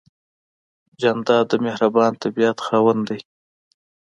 جانداد د مهربان طبیعت خاوند دی.